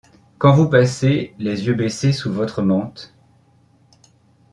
Quand vous passez, les yeux baissés sous votre mante ;